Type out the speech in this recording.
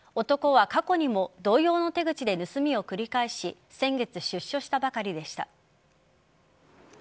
男は過去にも同様の手口で盗みを繰り返し先月、出所したばかりでした。